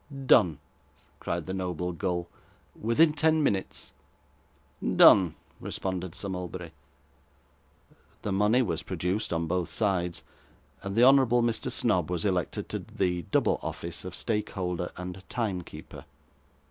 'Done!' cried the noble gull. 'Within ten minutes.' 'Done!' responded Sir Mulberry. The money was produced on both sides, and the Honourable Mr. Snobb was elected to the double office of stake holder and time keeper.